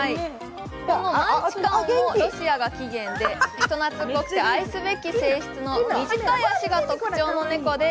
マンチカンもロシアが起源で、人懐こくて愛すべき性質の短い足が特徴の猫です。